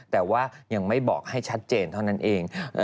แต่ว่ายังไม่บอกให้ชัดเจนเท่านั้นเอง